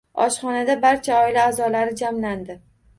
Oshxonada barcha oila a`zolari jamlandi